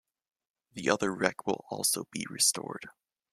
The other wreck will also be restored.